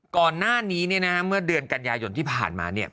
ก่อนหน้านี้เมื่อเดือนกันยายนที่ผ่านมาเนี่ย